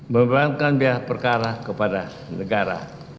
membebankan biaya perkara kepada negara